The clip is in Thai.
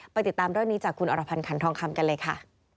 ติดตามเรื่องนี้จากคุณอรพันธ์ขันทองคำกันเลยค่ะ